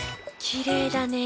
きれいだね。